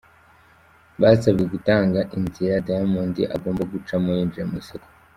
Basabwe gutanga inzira Diamond agomba gucama yinjira mu isoko.